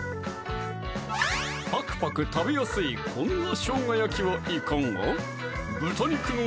パクパク食べやすいこんな生姜焼きはいかが？